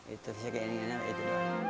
itu sih keinginannya itu